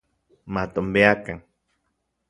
Matonbiakan